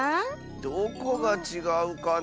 どこがちがうかなあ。